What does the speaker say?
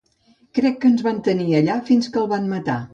Crec que ens van tenir allà fins que el van matar.